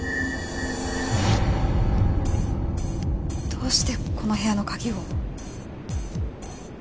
どうしてこの部屋の鍵を？